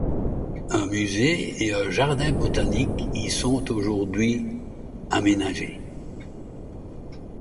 Un musée et un jardin botanique y sont aujourd'hui aménagés.